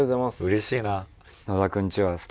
うれしいな。